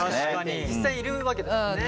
実際いるわけですもんね。